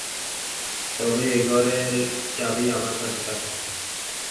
তবে এই ঘরের চাবি আমার কাছে থাকে।